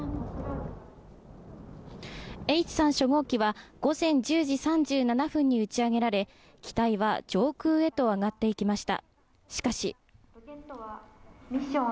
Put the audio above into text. Ｈ３初号機は午前１０時３７分に打ち上げられ、機体は上空へと上がっていきました。